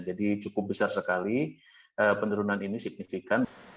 jadi cukup besar sekali penurunan ini signifikan